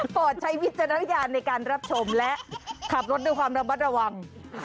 ใช้วิจารณญาณในการรับชมและขับรถด้วยความระมัดระวัง